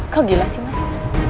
kok gila sih mas